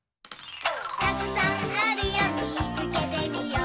「たくさんあるよみつけてみよう」